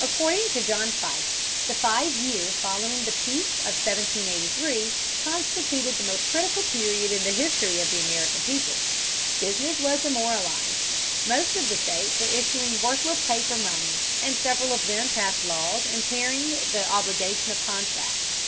According to John Fiske, the five years following the peace of 1783 constituted the most critical period in the history of the American people. Business was demoralized. Most of the states were issuing worthless paper money, and several of them passed laws impairing the obligation of contracts.